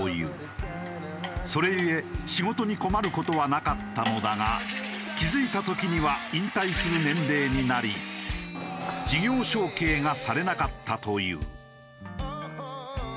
それゆえ仕事に困る事はなかったのだが気付いた時には引退する年齢になり事業承継がされなかったという。